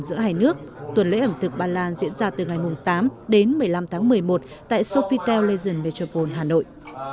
giữa hai nước tuần lễ ẩm thực ba lan diễn ra từ ngày tám đến một mươi năm tháng một mươi một tại sophitel lasian metropole hà nội